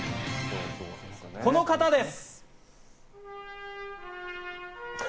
この方です！